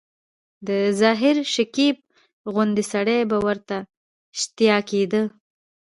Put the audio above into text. د ظاهر شکیب غوندي سړي به ورته شتیا کېده.